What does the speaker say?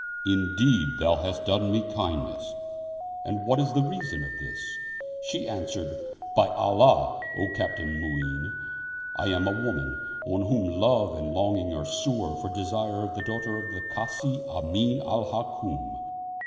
Indeed, thou hast done me kindness, and what is the reason of this ?" She answered, " By Allah, O Captain Mu'in, I am a woman on whom love and longing are sore for desire of the daughter of the Kazi Amin al Hukm.